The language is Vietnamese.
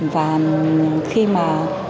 và khi mà